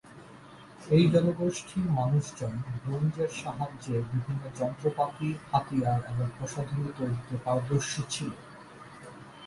এই জনগোষ্ঠীর মানুষজন ব্রোঞ্জের সাহায্যে বিভিন্ন যন্ত্রপাতি, হাতিয়ার এবং প্রসাধনী তৈরিতে পারদর্শী ছিল।